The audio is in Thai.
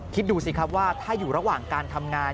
คิดดูสิครับว่าถ้าอยู่ระหว่างการทำงาน